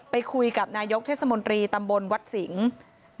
ไปคุยกับนายกเทศมนตรีตำบลวัดสิงศ์